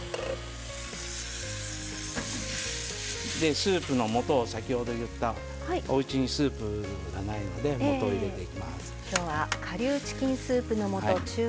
スープの素を先ほど言ったおうちにスープがないので素を入れていきます。